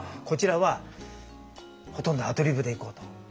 こちらはほとんどアドリブでいこうと。